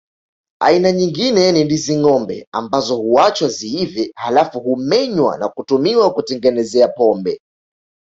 Aina nyingine ni ndizi ngombe ambazo huachwa ziive halafu humenywa na kutumiwa kutengenezea pombe